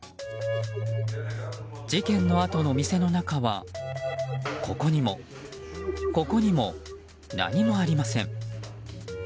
事件のあとの店の中はここにも、ここにも何もありません。